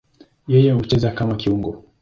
Yeye hucheza kama kiungo.